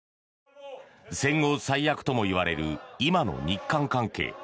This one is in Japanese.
戦後最悪とも言われる今の日韓関係。